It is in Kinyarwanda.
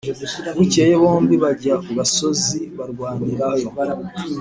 bukeye bombi bajya ku gasozi barwanirayo